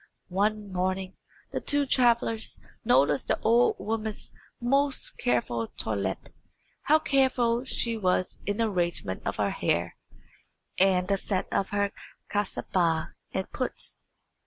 One morning the two travellers noticed the old woman's most careful toilette: how careful she was in the arrangement of her hair and the set of her kasabah and puts.